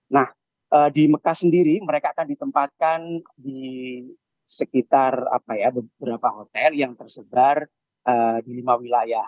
nah di mekah sendiri mereka akan ditempatkan di sekitar beberapa hotel yang tersebar di lima wilayah